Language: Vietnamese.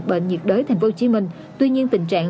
bệnh nhiệt đới tp hcm tuy nhiên tình trạng